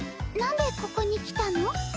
なんでここに来たの？